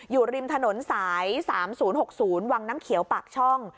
อยู่ริมถนนสาย๓๐๖๐วังน้ำเขียวปากช่อง